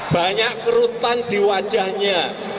banyak kerutan di wajahnya